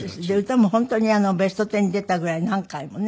歌も本当に『ベストテン』に出たぐらい何回もね